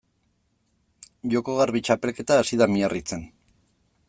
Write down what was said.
Joko Garbi txapelketa hasi da Miarritzen.